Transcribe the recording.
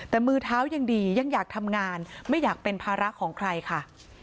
แต่มือเท้ายังดียังอยากทำงานไม่อยากเป็นภาระของใครค่ะ